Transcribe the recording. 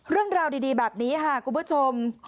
เรื่องราวดีแบบนี้ค่ะคุณผู้ชม